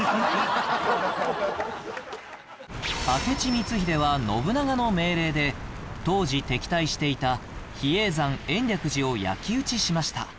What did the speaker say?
明智光秀は信長の命令で当時敵対していた比叡山延暦寺を焼き討ちしました